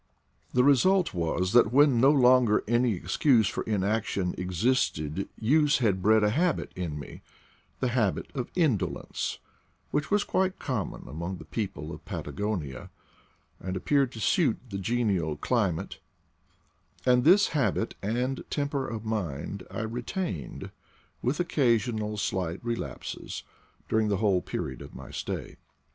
The result was that when no longer any excuse for inaction existed use had bred a habit in me — the habit of indolence, which was quite common among the people of Patagonia, and appeared to suit the genial climate; and this habit and temper of mind I retained, with occa sional slight relapses, during the whole period of my stay.